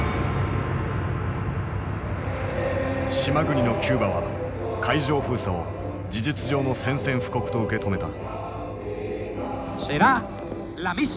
島国のキューバは海上封鎖を事実上の宣戦布告と受け止めた。